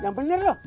yang bener lo